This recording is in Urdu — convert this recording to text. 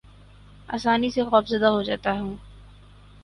آسانی سے خوف زدہ ہو جاتا ہوں